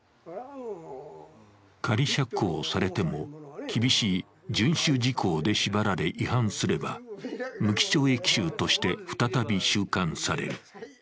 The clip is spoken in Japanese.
仮釈放されても厳しい遵守事項で縛られ、違反すれば無期懲役囚として再び収監される。